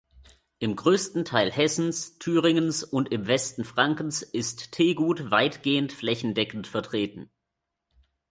Im größten Teil Hessens, Thüringens und im Westen Frankens ist Tegut weitgehend flächendeckend vertreten.